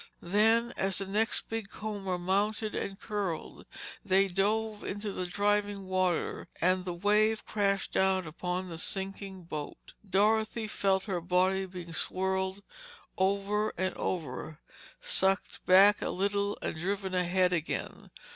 Then as the next big comber mounted and curled, they dove into the driving water and the wave crashed down upon the sinking boat. Dorothy felt her body being whirled over and over, sucked back a little and driven ahead again.